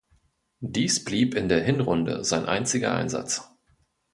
Dies blieb in der Hinrunde sein einziger Einsatz.